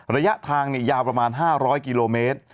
ระยะทางยาวประมาณ๕๐๐กิโลเมตร